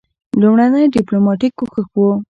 لومړنی ډیپلوماټیک کوښښ وو.